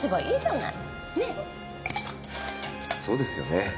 そうですよね。